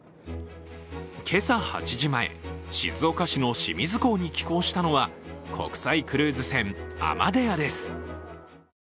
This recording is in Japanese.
今朝８時前、静岡市の清水港に寄港しましたのは国際クルーズ船「アマデア」です。